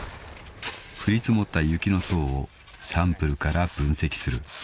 ［降り積もった雪の層をサンプルから分析する］